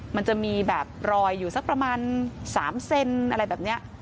มันจะมีแบบรอยอยู่สักประมาณ๓เซนอะไรแบบนี้